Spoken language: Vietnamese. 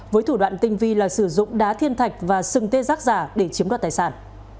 với thủ đoạn tinh vi là sử dụng đá thiên thạch và sừng tê giác giả để chiếm đoạt tài sản